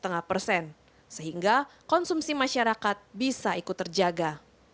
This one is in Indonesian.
penerimaan perpajakan rp tiga lima persen sehingga konsumsi masyarakat bisa ikut terjaga